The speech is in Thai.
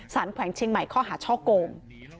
ศาลแขวงเชียงใหม่เขาหาเชาะโกง